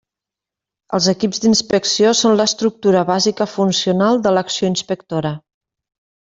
Els equips d'inspecció són l'estructura bàsica funcional de l'acció inspectora.